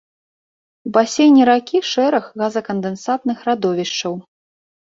У басейне ракі шэраг газакандэнсатных радовішчаў.